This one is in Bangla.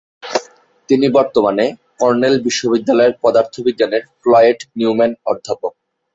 তিনি বর্তমানে কর্নেল বিশ্ববিদ্যালয়ের পদার্থবিজ্ঞানের ফ্লয়েড নিউম্যান অধ্যাপক।